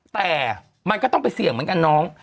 แต่มันก็ต้องไปเสี่ยงเหมือนกันน้อง